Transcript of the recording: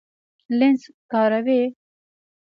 لینز کاروئ؟